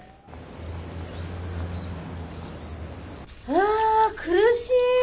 あ苦しい。